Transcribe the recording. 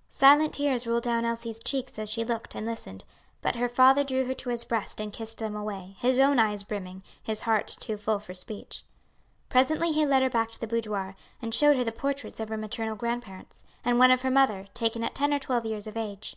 '" Silent tears rolled down Elsie's cheeks as she looked and listened; but her father drew her to his breast and kissed them away, his own eyes brimming, his heart too full for speech. Presently he led her back to the boudoir, and showed her the portraits of her maternal grandparents, and one of her mother, taken at ten or twelve years of age.